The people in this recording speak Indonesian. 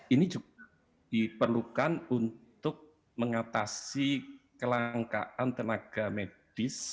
ini juga diperlukan untuk mengatasi kelangkaan tenaga medis